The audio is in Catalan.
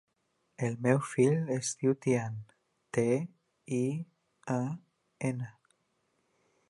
El meu fill es diu Tian: te, i, a, ena.